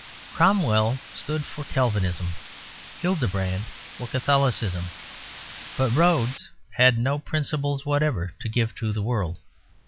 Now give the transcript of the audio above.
Cromwell stood for Calvinism, Hildebrand for Catholicism: but Rhodes had no principles whatever to give to the world.